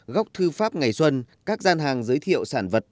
góc thư pháp ngày xuân các gian hàng giới thiệu sản vật